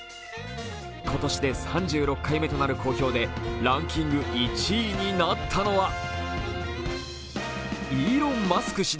今年で３６回目となる公表でランキング１位になったのはイーロン・マスク